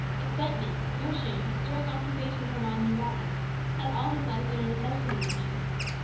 Excitement, motion, stirring occupation for mind and body, had all his life been a necessity to him.